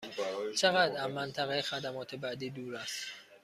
چقدر از منطقه خدمات بعدی دور است؟